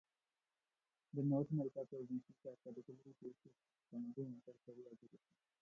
The North American provinces are particularly based around secondary and tertiary education.